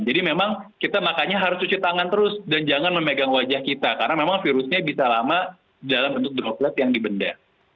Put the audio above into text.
jadi memang kita makanya harus cuci tangan terus dan jangan memegang wajah kita karena memang virusnya bisa lama dalam bentuk droplet yang di benda